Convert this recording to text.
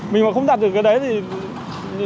mình mà không đạt được cái đấy thì